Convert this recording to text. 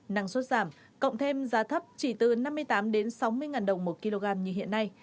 năng suất giảm cộng thêm giá thấp chỉ từ năm mươi tám sáu mươi đồng một kg như hiện nay